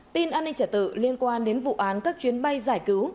tin an ninh trả tự liên quan đến vụ án các chuyến bay giải cứu